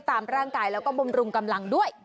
ตามร่างกายแล้วก็บำรุงกำลังด้วย